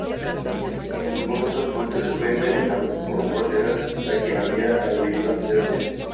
Según otras fuentes, fue envenenado por un colega a quien había agredido anteriormente.